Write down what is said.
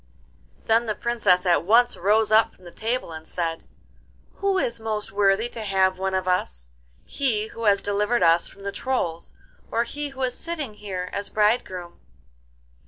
Then the Princess at once rose up from the table, and said, 'Who is most worthy to have one of us—he who has delivered us from the Trolls or he who is sitting here as bridegroom?